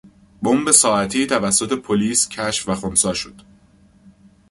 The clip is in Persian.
بمب ساعتی توسط پلیس کشف و خنثی شد.